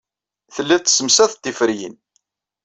Tellid tessemsaded tiferyin.